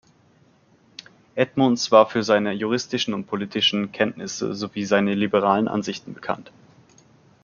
Edmunds war für seine juristischen und politischen Kenntnisse sowie seine liberalen Ansichten bekannt.